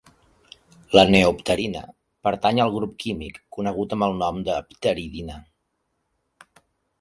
La neopterina pertany al grup químic conegut amb el nom de pteridina.